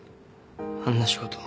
あんな仕事。